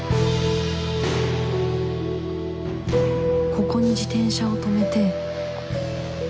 ここに自転車を止めて